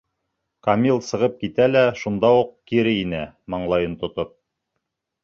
Камил сығып китә лә шунда уҡ кире инә, маңлайын тотоп.